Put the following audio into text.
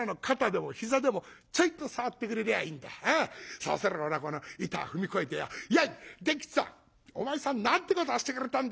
そうすればなこの板踏み越えて『やい！伝吉っつぁんお前さんなんてことをしてくれたんだ！